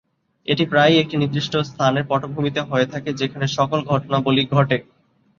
এটি প্রায়ই একটি নির্দিষ্ট স্থানের পটভূমিতে হয়ে থাকে, যেখানে সকল ঘটনাবলি ঘটে।